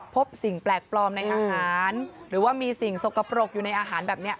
พบสิ่งแปลกปลอมในอาหาร